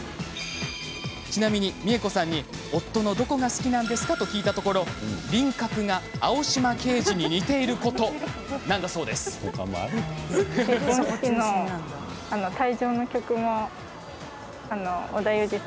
ちなみに、美恵子さんに夫のどこが好きなのか聞いたところ輪郭が青島刑事に似ていることと話してくれました。